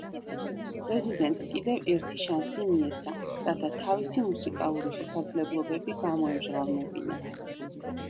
პრეზიდენტს კიდევ ერთი შანსი მიეცა, რათა თავისი მუსიკალური შესაძლებლობები გამოემჟღავნებინა.